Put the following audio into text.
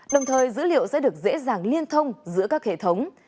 đồng thời dữ liệu sẽ được dễ dàng liên thông giữa các hệ thống